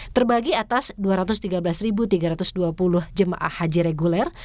terbagi atas dua ratus tiga belas tiga ratus dua puluh jemaah haji reguler